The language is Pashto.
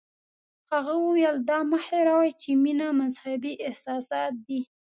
هغه وویل دا مه هیروئ چې مینه مذهبي احساسات دي.